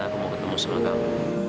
aku mau ketemu sama kamu